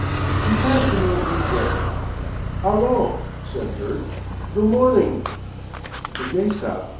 He passed an old negro. "'Ullo!" said Bert. "Goo' morning!" "Good day, sah!"